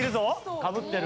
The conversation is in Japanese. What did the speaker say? かぶってるなぁ。